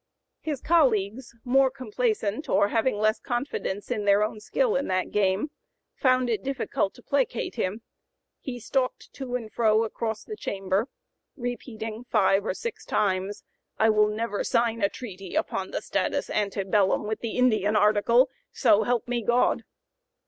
His colleagues, more complaisant or having less confidence in their own skill in that game, found it difficult to placate him; he "stalked to and fro across the chamber, repeating five or six times, 'I will never sign a treaty upon the status ante bellum with the Indian article. So help me God!'"